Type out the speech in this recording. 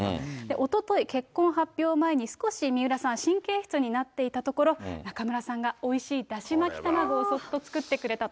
おととい、結婚発表前に、少し水卜さん、神経質になっていたところ、中村さんがおいしいだし巻き卵をそっと作ってくれたと。